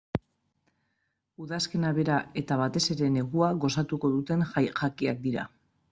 Udazkena bera eta batez ere negua gozatuko duten jakiak dira.